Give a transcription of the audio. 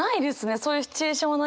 そういうシチュエーションはない。